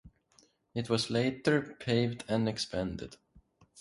It was later paved and expanded.